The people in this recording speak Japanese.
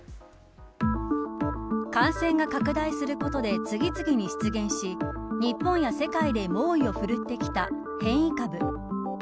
感染が拡大することで次々に出現し日本や世界で猛威を振るってきた変異株。